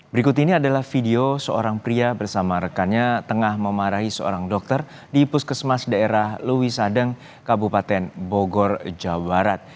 berikut ini adalah video seorang pria bersama rekannya tengah memarahi seorang dokter di puskesmas daerah lewisadeng kabupaten bogor jawa barat